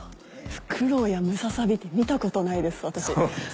フクロウやムササビって見たことないです私。